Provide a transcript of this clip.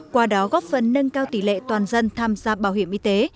qua đó góp phần nâng cao tỷ lệ toàn dân tham gia bảo hiểm y tế